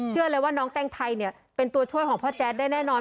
เชื่อเลยว่าน้องแต้งไทยเนี่ยเป็นตัวช่วยของพ่อแจ๊ดได้แน่นอน